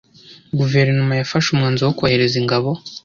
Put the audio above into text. Guverinoma yafashe umwanzuro wo kohereza ingabo